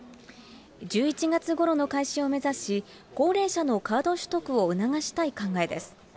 １１月ごろの開始を目指し、高齢者のカード取得を促したい考えです。